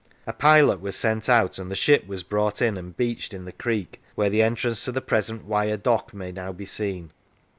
A pilot was sent out, and the ship was brought in and beached in the creek where the entrance to the present Wyre dock may now be seen.